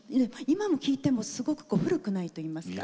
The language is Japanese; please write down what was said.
今聴いてもすごくこう古くないといいますか。